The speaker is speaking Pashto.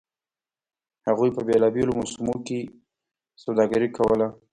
هغوی په بېلابېلو موسمونو کې سوداګري کوله.